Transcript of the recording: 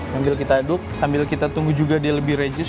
sambil kita aduk sambil kita tunggu juga dia lebih regis